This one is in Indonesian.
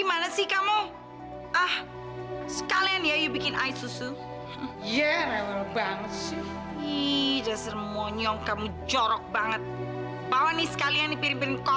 berarti sekarang kita bisa melaksanakan rencana yang selanjutnya